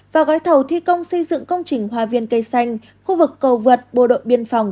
và gói thầu thi công xây dựng công trình hòa viên cây xanh khu vực cầu vượt bộ đội biên phòng